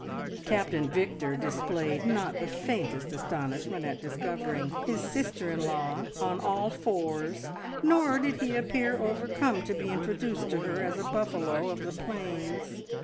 Captain Victor displayed not the faintest astonishment at discovering his sister in law on all fours, nor did he appear overcome to be introduced to her as a buffalo of the plains.